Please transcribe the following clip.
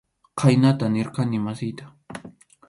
Khaynata nirqani masiyta.